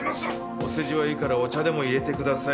お世辞はいいからお茶でも淹れてください。